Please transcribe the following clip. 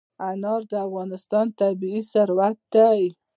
انار د افغانستان طبعي ثروت دی.